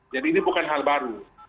jadi ini bukan hal baru